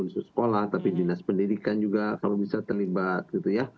jadi unsur sekolah tapi dinas pendidikan juga kalau bisa terlibat gitu ya